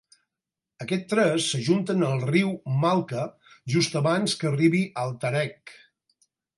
Aquests tres s'ajunten al riu Malka just abans que arribi al Terek.